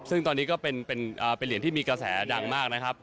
ซึ่งตอนนี้ก็เป็นเหรียญที่มีกระแสดังมากนะครับ